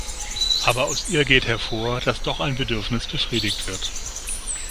Aber aus ihr geht hervor, dass doch ein Bedürfnis befriedigt wird.